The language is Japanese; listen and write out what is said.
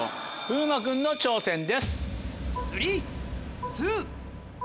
風磨君の挑戦です。